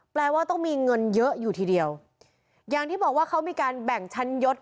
แปลว่าต้องมีเงินเยอะอยู่ทีเดียวอย่างที่บอกว่าเขามีการแบ่งชั้นยศ